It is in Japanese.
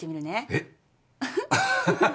えっ！？